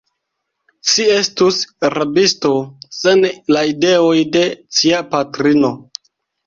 Ci estus rabisto, sen la ideoj de cia patrino.